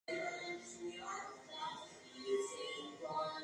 Es el barrio más antiguo de Arequipa.